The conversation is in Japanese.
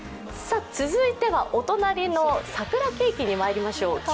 続いてはお隣の桜ケーキにまいりましょう。